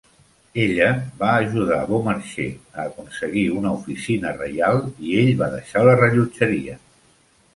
Ella va ajudar Beaumarchais a aconseguir una oficina reial i ell va deixar la rellotgeria.